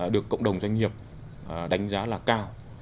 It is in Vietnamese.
được cộng đồng doanh nghiệp đánh giá là cao